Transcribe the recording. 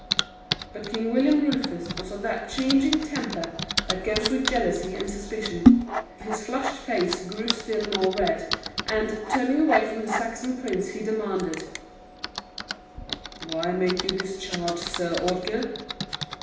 But King William Rufus was of that changing, temper that goes with jealousy and suspicion. His flushed face grew still more red, and, turning away from the Saxon prince, he demanded: "Why make you this charge, Sir Ordgar?